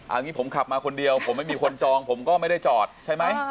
อันนี้ผมขับมาคนเดียวผมไม่มีคนจองผมก็ไม่ได้จอดใช่ไหม